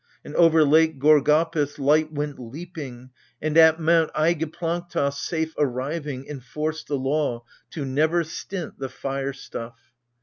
And over Lake Gorgopis light went leaping, And, at Mount Aigiplanktos safe arriving, Enforced the law —" to never stint the fire stuff."